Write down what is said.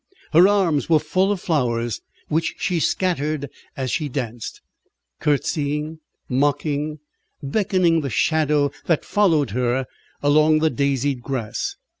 Her arms were full of flowers, which she scattered as she danced, curtseying, mocking, beckoning the shadow that followed her along the daisied grass.